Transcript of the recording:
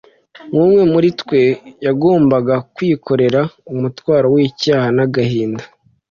Nk'umwe muri twe, yagombaga kwikorera umutwaro w'icyaha n'agahinda